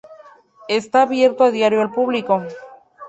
Está abierto a diario al público.